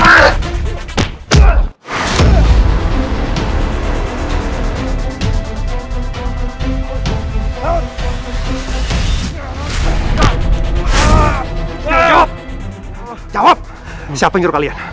untuk memberikan kesaksian